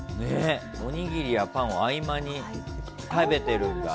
おにぎりやパンを合間に食べているんだ。